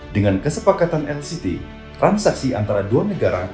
dengan kesepakatan nct transaksi antara dua negara